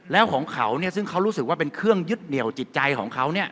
แล้วของเขาซึ่งเขารู้สึกว่าเป็นเครื่องยึดเหนียวจิตใจของเขา